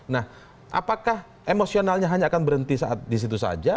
nah apakah emosionalnya hanya akan berhenti saat disitu saja